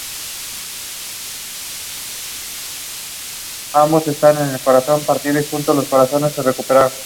En el torso, llevan un chaleco negro o gris debajo de un poncho.